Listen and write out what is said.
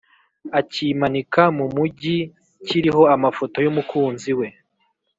akimanika mu mujyi kiriho amafoto y’umukunzi we